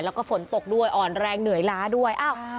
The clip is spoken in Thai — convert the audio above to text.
แล้วก็ฝนตกด้วยอ่อนแรงเหนื่อยล้าด้วย